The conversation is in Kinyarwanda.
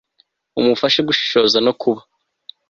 umufashe gushishoza, no kuba